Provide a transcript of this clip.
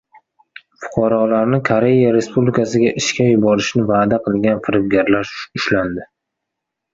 Fuqarolarni Koreya Respublikasiga ishga yuborishni va’da qilgan firibgarlar ushlandi